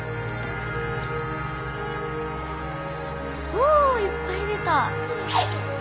おいっぱい出た。